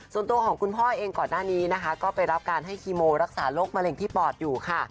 ส่วนตัวของคุณพ่อเองก่อนหน้านี้นะคะก็ไปรับการให้คีโมรักษาโรคมะเร็งที่ปอดอยู่ค่ะ